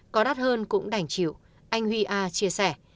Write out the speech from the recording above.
có đắt hơn cũng đành chịu anh huy a chia sẻ